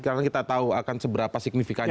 karena kita tahu akan seberapa signifikannya